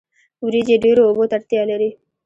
وریجې ډیرو اوبو ته اړتیا لري